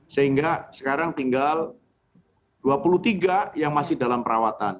sehingga sekarang tinggal dua puluh tiga yang masih dalam perawatan